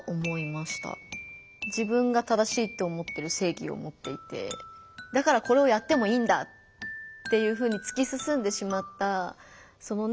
自分が正しいって思ってる正義を持っていてだからこれをやってもいいんだっていうふうにつきすすんでしまったそのね